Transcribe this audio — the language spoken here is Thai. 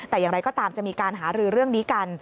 แต่อย่างไรก็ตามจะมีการหารือเรื่องนี้กัน